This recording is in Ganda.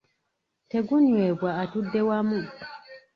Tegunywebwa atudde wamu.